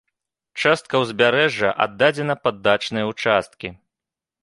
Частка ўзбярэжжа аддадзена пад дачныя ўчасткі.